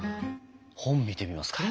本見てみますか？